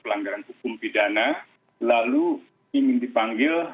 pelanggaran hukum pidana lalu ingin dipanggil